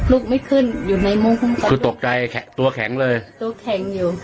ลุกไม่ขึ้นอยู่ในมุ้งคุณพ่อคือตกใจตัวแข็งเลยตัวแข็งอยู่